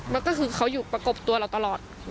มันก็คือเขาอยู่ประกบตัวเราตลอด